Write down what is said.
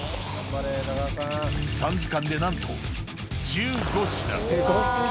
３時間で、なんと１５品。